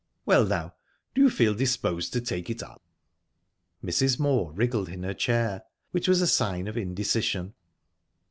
Well now, do you feel disposed to take it up?" Mrs. Moor wriggled in her chair, which was a sign of indecision.